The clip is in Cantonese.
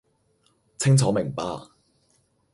清楚明白